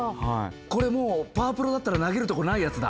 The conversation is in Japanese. これもう『パワプロ』だったら投げるとこないやつだ！